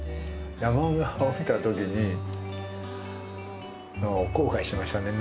山を見た時に後悔しましたね。